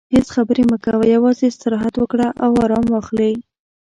هیڅ خبرې مه کوه، یوازې استراحت وکړه او ارام واخلې.